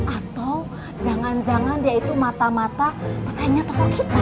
atoh jangan jangan dia itu mata mata pesainya toko kita